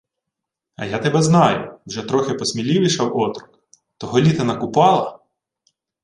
— А я тебе знаю, — вже трохи посміливішав отрок. — Того літа на Купала...